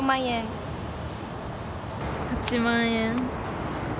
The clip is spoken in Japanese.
８万円。